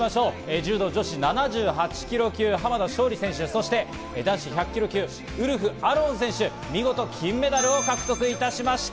柔道女子７８ｋｇ級・浜田尚里選手、そして男子１００ｋｇ級、ウルフ・アロン選手、見事金メダルを獲得いたしました。